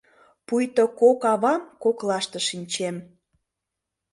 — Пуйто кок авам коклаште шинчем.